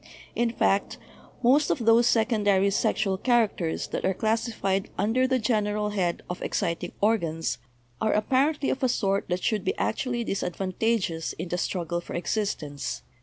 In fact, most of those secondary sexual characters that are classi fied under the general head of 'exciting organs' are ap parently of a sort that should be actually disadvanta 216 BIOLOGY geous in the struggle for existence.